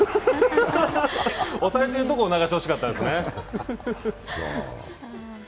抑えてるところを流してほしかったですね。